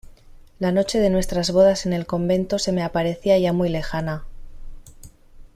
la noche de nuestras bodas en el convento se me aparecía ya muy lejana